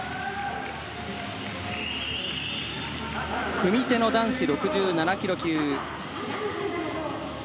組手の男子６７ｋｇ級。